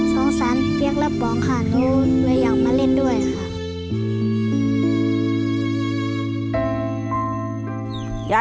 สงสารเปี๊ยกและป๋องค่ะหนูเลยอยากมาเล่นด้วยค่ะ